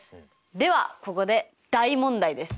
ではここで大問題です。